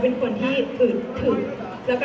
เสียงปลดมือจังกัน